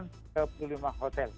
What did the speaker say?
nah ini sudah dikira hotel